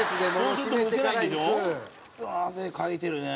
汗かいてるね。